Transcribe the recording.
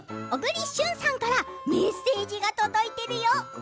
小栗旬さんからメッセージが届いてるよ。